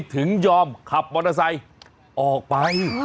เฮ้ยดีนะ